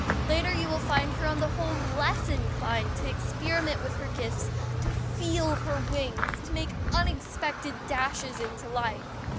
Later you will find her on the whole less inclined to experiment with her gifts, to feel her wings, to make unexpected dashes into life.